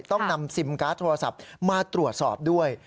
ต้องนำซิมการ์ดโทรศัพท์มาตรวจสอบด้วย